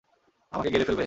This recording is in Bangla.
আমাকে গেঁড়ে ফেলবে?